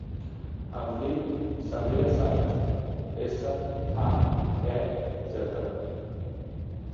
Em dic Samira Saez: essa, a, e, zeta.